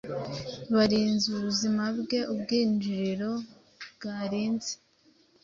Byarinze ubuzima bweubwinjiriro bwarinze